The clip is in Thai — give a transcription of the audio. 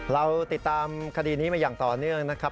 เราติดตามคดีนี้มาอย่างต่อเนื่องนะครับ